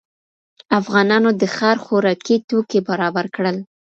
افغانانو د ښار خوراکي توکي برابر کړل.